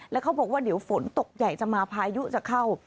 แล้วเขาบอกว่าเดี๋ยวฝนตกใหญ่จะมาพายุจะเข้า